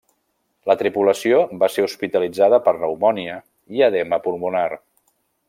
La tripulació va ser hospitalitzada per pneumònia i edema pulmonar.